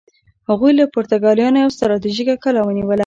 هغوی له پرتګالیانو یوه ستراتیژیکه کلا ونیوله.